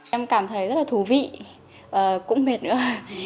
em cảm thấy rất là thú vị cũng mệt nữa